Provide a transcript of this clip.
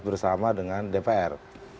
bersama dengan dpr